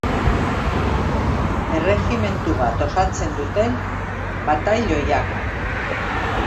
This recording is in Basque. Erregimentu bat osatzen duten batailoiak.